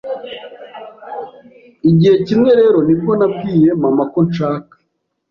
igihe kimwe rero nibwo nabwiye mama ko nshaka